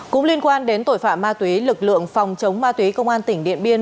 cũng liên quan đến tội phạm ma túy lực lượng phòng chống ma túy công an tỉnh điện biên